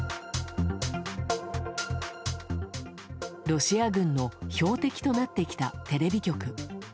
ロシア軍の標的となってきたテレビ局。